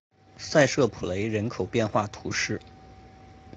塞舍普雷人口变化图示